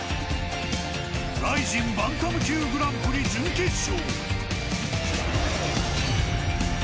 ＲＩＺＩＮバンタム級グランプリ準決勝。